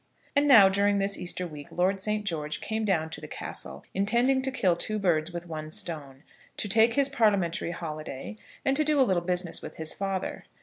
And now, during this Easter week, Lord Saint George came down to the castle, intending to kill two birds with one stone, to take his parliamentary holiday, and to do a little business with his father.